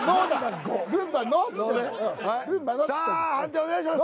さあ判定お願いします